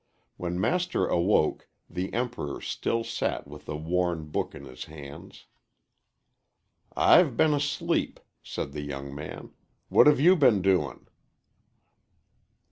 When Master awoke the Emperor still sat with the worn book in his hands. "I've been asleep," said the young man. "What have you been doing?"